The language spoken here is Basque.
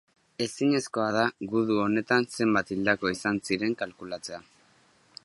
Ezinezkoa da gudu honetan zenbat hildako izan ziren kalkulatzea.